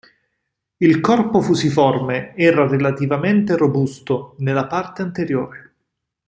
Il corpo fusiforme era relativamente robusto nella parte anteriore.